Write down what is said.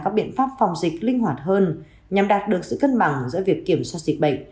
các biện pháp phòng dịch linh hoạt hơn nhằm đạt được sự cân bằng giữa việc kiểm soát dịch bệnh